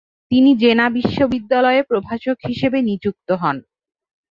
তিনি জেনা বিশ্ববিদ্যালয়ে প্রভাষক হিসেবে নিযুক্ত হন।